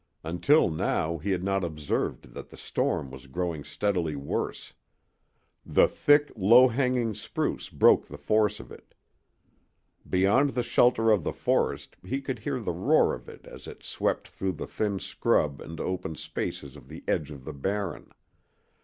Until now he had not observed that the storm was growing steadily worse. The thick, low hanging spruce broke the force of it. Beyond the shelter of the forest he could hear the roar of it as it swept through the thin scrub and open spaces of the edge of the Barren.